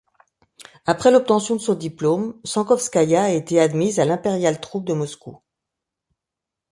Après l'obtention de son diplôme, Sankovskaïa a été admise à l'Impérial troupe de Moscou.